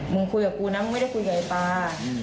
มึงคุยกับกูนะมึงไม่ได้คุยกับไอ้ปลา